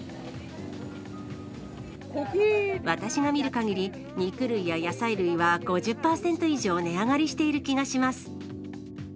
私が見るかぎり、肉類や野菜類は５０％以上値上がりしている気がします。